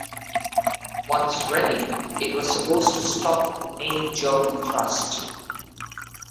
Once ready, it was supposed to stop the main German thrust.